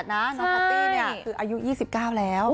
น้องแพตตี้คืออายุ๒๙แล้ว